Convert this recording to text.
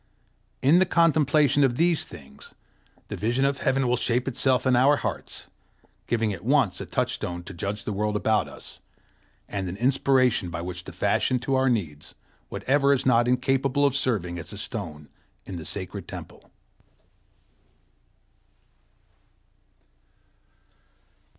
In the contemplation of these things the vision of heaven will shape itself in our hearts, giving at once a touchstone to judge the world about us, and an inspiration by which to fashion to our needs whatever is not incapable of serving as a stone in the sacred temple.